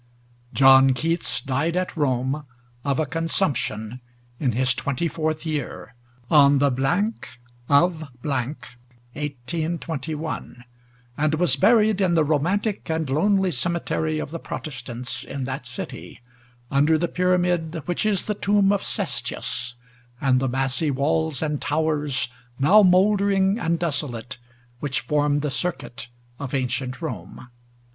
John Keats died at Rome of a consumption, in his twenty fourth year, on the of 1821 ; and was buried in the romantic and lonely cemetery of the Protestants in that city, under the pyramid which is the tomb of Ces tius and the massy walls and towers, now mouldering and desolate, which formed the circuit of ancient Rome.